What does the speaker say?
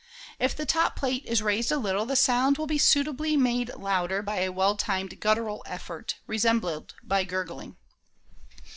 If the top plate is raised a little the sound will be suitably made louder by a well timed guttural effort, resembled by gurgling.